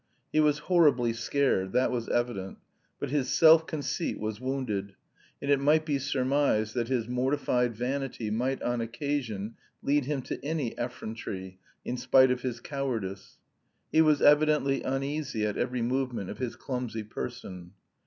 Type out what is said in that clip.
He was horribly scared, that was evident, but his self conceit was wounded, and it might be surmised that his mortified vanity might on occasion lead him to any effrontery, in spite of his cowardice. He was evidently uneasy at every movement of his clumsy person.